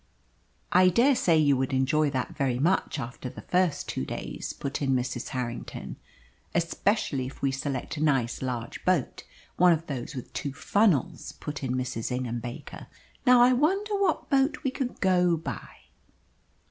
"I dare say you would enjoy that very much after the first two days," put in Mrs. Harrington. "Especially if we select a nice large boat one of those with two funnels?" put in Mrs. Ingham Baker. "Now I wonder what boat we could go by?"